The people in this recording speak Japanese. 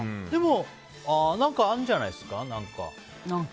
でも何かあるんじゃないですか。